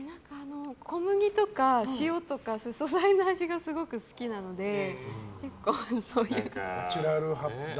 小麦とか塩とか、素材の味がすごく好きなので結構そういう。